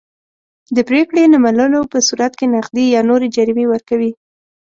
د پرېکړې نه منلو په صورت کې نغدي یا نورې جریمې ورکوي.